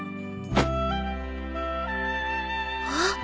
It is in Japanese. あっ